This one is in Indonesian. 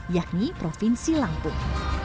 yakni provinsi lampung